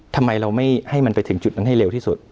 ทำไมเราไม่ให้มันไปถึงจุดนั้นให้เร็วที่สุด